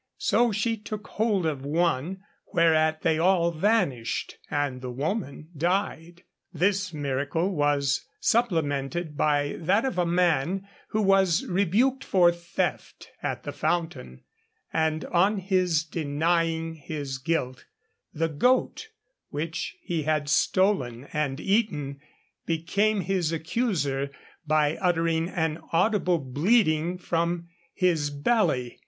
So she took hold of one; whereat they all vanished, and the woman died. This miracle was supplemented by that of a man who was rebuked for theft at the fountain; and on his denying his guilt, the goat which he had stolen and eaten became his accuser by uttering an audible bleating from his belly.